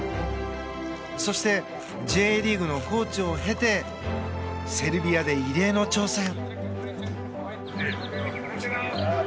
そして、Ｊリーグのコーチを経てセルビアで異例の挑戦。